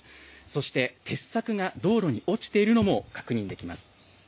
そして鉄柵が道路に落ちているのも確認できます。